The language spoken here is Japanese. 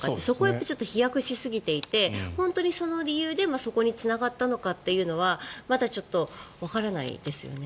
そこは飛躍しすぎていて本当にその理由でそこにつながったのかというのはまだわからないですよね。